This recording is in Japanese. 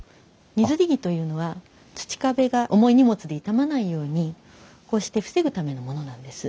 荷摺木というのは土壁が重い荷物で傷まないようにこうして防ぐためのものなんです。